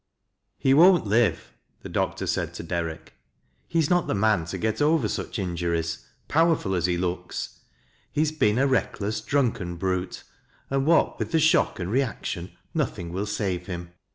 " He w^>*it lire," the doctor said to Dei rick. " He's not tbe mau to get over such injuries, powerful as he looks. He has beea a i eckless, drunken brute, and what with thr shock and reaction nothing will save him.